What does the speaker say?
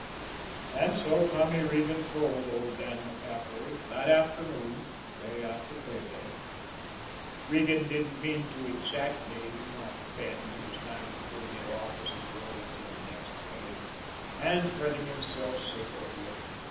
And so Tommy Regan told old Dan MacCaffery that afternoon the day after pay day. Regan didn't mean to exactly, not then he was kind of putting it off, as it were until next day and fretting himself sick over it.